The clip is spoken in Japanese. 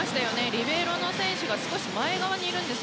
リベロの選手が少し前側にいます。